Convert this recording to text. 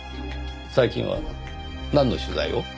最近はなんの取材を？